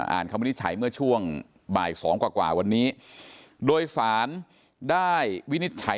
คำวินิจฉัยเมื่อช่วงบ่ายสองกว่าวันนี้โดยสารได้วินิจฉัย